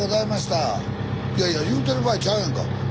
いやいや言うてる場合ちゃうやんか。